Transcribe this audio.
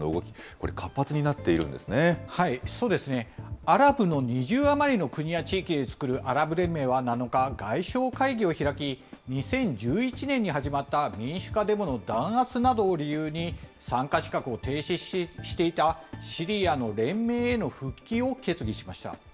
これ、活発になっていアラブの２０余りの国や地域で作るアラブ連盟は７日、外相会議を開き、２０１１年に始まった民主化デモの弾圧などを理由に、参加資格を停止していたシリアの連盟への復帰を決議しました。